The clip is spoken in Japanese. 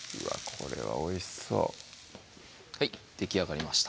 これはおいしそうはいできあがりました